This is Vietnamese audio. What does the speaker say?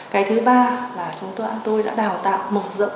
cái thứ ba là chúng tôi đã đào tạo mở rộng đại định